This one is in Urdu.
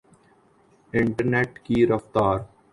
انٹرنیٹ کی رفتار